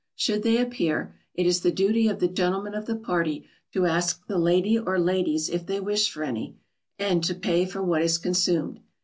Should they appear, it is the duty of the gentleman of the party to ask the lady or ladies if they wish for any, and to pay for what is consumed.